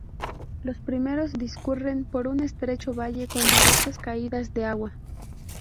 Los primeros discurren por un estrecho valle, con diversas caídas de agua.